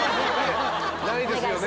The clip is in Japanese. ないですよね。